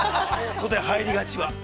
袖入りがちは。